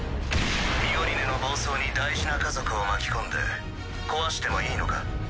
ミオリネの暴走に大事な家族を巻き込んで壊してもいいのか？